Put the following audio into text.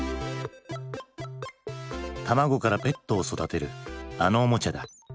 たまごからペットを育てるあのおもちゃだ。